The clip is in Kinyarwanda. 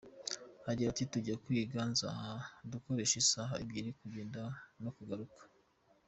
Agira ati “Tujya kwiga Nzahaha dukoresha isaha ebyiri kugenda no kugaruka.